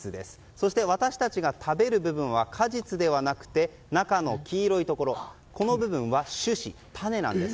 そして、私たちが食べる部分は果実ではなくて中の黄色いところこの部分は種子、種なんです。